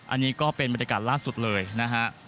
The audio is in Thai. อันนี้ก็เป็นบรรยากาศล่าสุดเลยนะฮะ